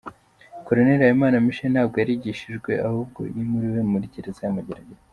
–Col Habimana Michel ntabwo yarigishijwe ahubwo yimuriwe muri Gereza ya Mageragere